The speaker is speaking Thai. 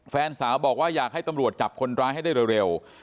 แฟนสาวบอกว่าอยากให้ตำรวจจับคนร้ายให้ได้เร็ว